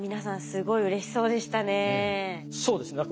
すごいうれしそうでしたね。